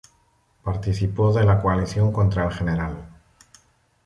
Participó de la coalición contra el Gral.